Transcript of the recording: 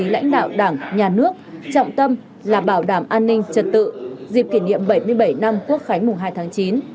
lãnh đạo đảng nhà nước trọng tâm là bảo đảm an ninh trật tự dịp kỷ niệm bảy mươi bảy năm quốc khánh mùng hai tháng chín